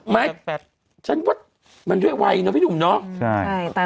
ไม่แต่ฉันว่ามันด้วยวัยเนอะพี่หนุ่มเนาะ